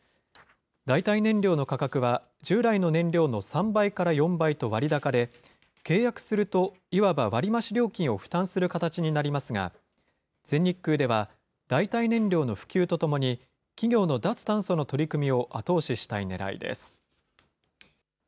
代替燃料の価格は、従来の燃料の３倍から４倍と割高で、契約するといわば割り増し料金を負担する形になりますが、全日空では、代替燃料の普及とともに、企業の脱炭素の取り組みを後押ししたいねらいです。